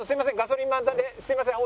すいません